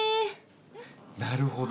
なるほど。